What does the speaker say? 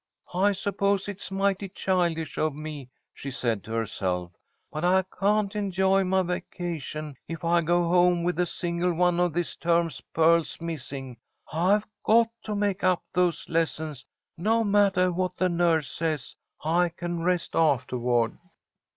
"I suppose it's mighty childish of me," she said to herself, "but I can't enjoy my vacation if I go home with a single one of this term's pearls missing. I've got to make up those lessons, no mattah what the nurse says. I can rest aftahward."